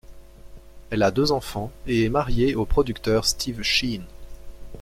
Elle a deux enfants et est mariée au producteur Steve Sheen.